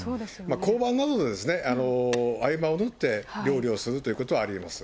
交番などで合間を縫って、料理をするということはありえます。